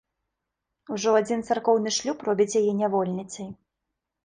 Ужо адзін царкоўны шлюб робіць яе нявольніцай.